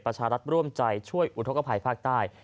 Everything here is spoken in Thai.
ประชารัฐร่วมใจช่วยอุทธกภัยภาคใต้